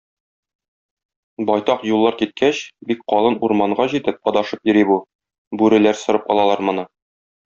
Байтак юллар киткәч, бик калын урманга җитеп, адашып йөри бу, бүреләр сырып алалар моны.